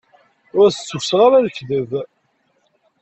Ur as-d-ssukkseɣ ara lekdeb.